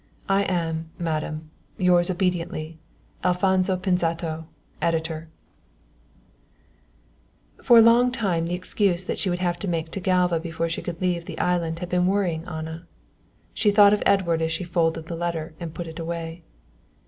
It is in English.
_ "I am, madam, "Yours obediently, ALFONSO PINZATO "(Editor)." For a long time the excuse that she would have to make to Galva before she could leave the island had been worrying Anna. She thought of Edward as she folded the letter and put it away.